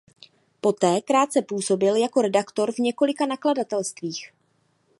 Poté krátce působil jako redaktor v několika nakladatelstvích.